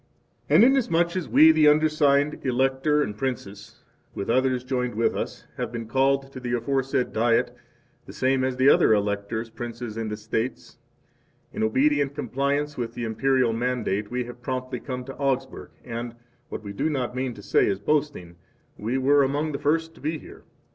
And inasmuch as we, the undersigned Elector and 5 Princes, with others joined with us, have been called to the aforesaid Diet the same as the other Electors, Princes, and Estates, in obedient compliance with the Imperial mandate, we have promptly come to Augsburg, and—what we do not mean to say as boasting—we were among the first to be here.